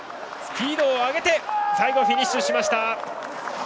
スピードを上げて最後フィニッシュ。